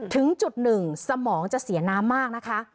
ถึงจุดหนึ่งสมองจะเสียน้ำมากนะคะ